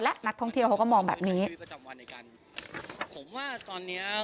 และนักท่องเที่ยวเขาก็มองแบบนี้